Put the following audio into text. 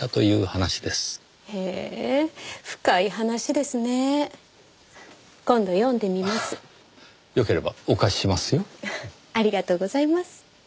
ありがとうございます。